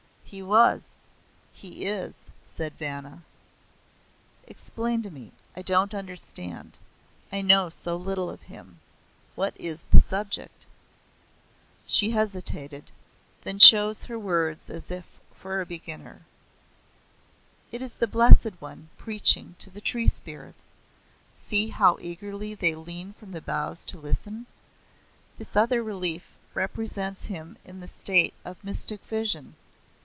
"He was. He is," said Vanna. "Explain to me. I don't understand. I know so little of him. What is the subject?" She hesitated; then chose her words as if for a beginner; "It is the Blessed One preaching to the Tree Spirits. See how eagerly they lean from the boughs to listen. This other relief represents him in the state of mystic vision.